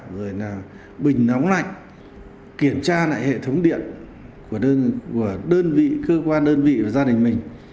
rồi là bình nóng lạnh kiểm tra lại hệ thống điện của đơn vị cơ quan đơn vị và gia đình mình